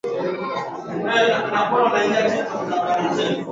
Wadau wengi walishirikishwa katika kazi ya Ofisi ya Makamu wa Rais